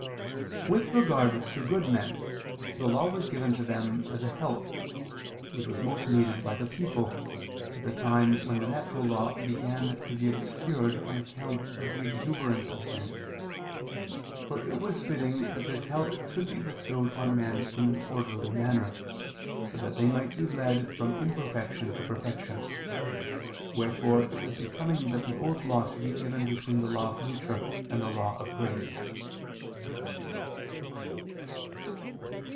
With regard to good men, the Law was given to them as a help; which was most needed by the people, at the time when the natural law began to be obscured on account of the exuberance of sin: for it was fitting that this help should be bestowed on men in an orderly manner, so that they might be led from imperfection to perfection; wherefore it was becoming that the Old Law should be given between the law of nature and the law of grace.